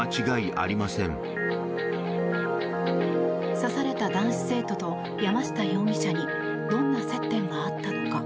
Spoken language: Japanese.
刺された男子生徒と山下容疑者にどんな接点があったのか。